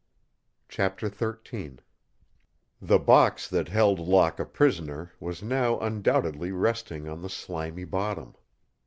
CHAPTER XIII The box that held Locke a prisoner was now undoubtedly resting on the slimy bottom.